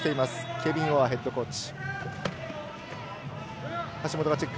ケビン・オアーヘッドコーチ。